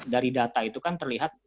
dari data itu kan terlihat